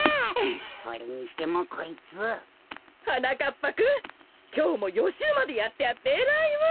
ぱくんきょうもよしゅうまでやってあってえらいわ。